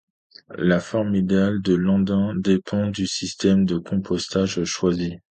La forme idéale de l’andain dépend du système de compostage choisi.